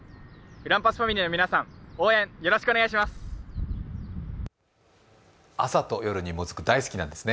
グランパスファミリーの皆さん、応援よろしくお願いします。